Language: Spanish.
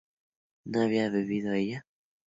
¿No había bebido ella?